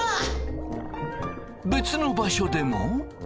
別の場所でも。